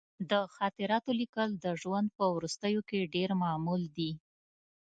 د خاطراتو لیکل د ژوند په وروستیو کې ډېر معمول دي.